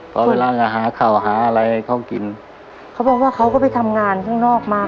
เพราะเวลาจะหาข่าวหาอะไรให้เขากินเขาบอกว่าเขาก็ไปทำงานข้างนอกมา